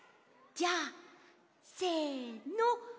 じゃあせの。